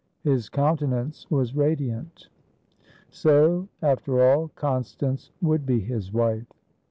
His countenance was radiant. So, after all, Constance would be his wife.